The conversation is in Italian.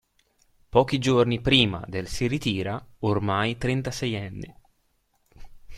Pochi giorni prima del si ritira, ormai trentaseienne.